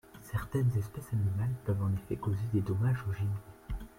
Certaines espèces animales peuvent en effet causer des dommages au gibier.